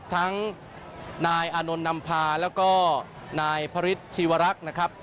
ทั้งนายอานนท์นำพาแล้วก็นายพระฤทธิวรักษ์นะครับ